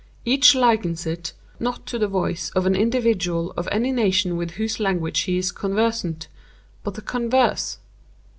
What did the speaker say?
Each likens it—not to the voice of an individual of any nation with whose language he is conversant—but the converse.